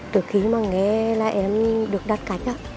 từ khi mà nghe là em được đặt cánh